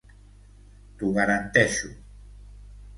T'ho garanteixo.